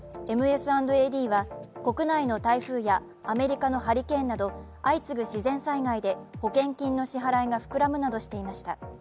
ＭＳ＆ＡＤは国内の台風やアメリカのハリケーンなど、相次ぐ自然災害で保険金の支払いが膨らむなどしていました。